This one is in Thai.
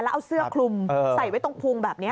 แล้วเอาเสื้อคลุมใส่ไว้ตรงพุงแบบนี้